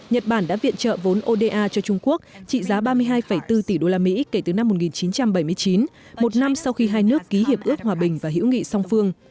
nhật bản đã viện trợ vốn oda cho trung quốc trị giá ba mươi hai bốn tỷ usd kể từ năm một nghìn chín trăm bảy mươi chín một năm sau khi hai nước ký hiệp ước hòa bình và hữu nghị song phương